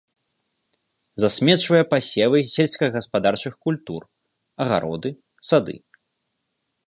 Засмечвае пасевы сельскагаспадарчых культур, агароды, сады.